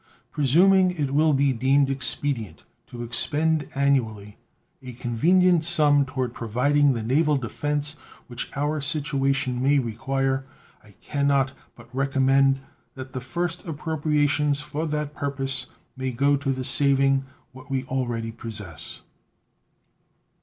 Presuming it will be deemed expedient to expend annually a convenient sum toward providing the naval defense which our situation may require, I can not but recommend that the first appropriations for that purpose may go to the saving what we already possess.